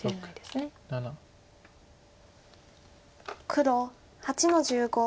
黒８の十五。